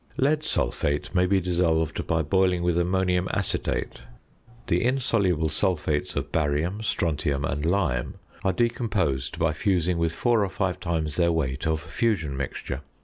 Lead sulphate may be dissolved by boiling with ammonium acetate. The insoluble sulphates of barium, strontium, and lime, are decomposed by fusing with 4 or 5 times their weight of "fusion mixture."